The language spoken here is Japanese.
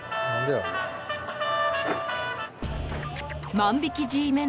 万引きＧメン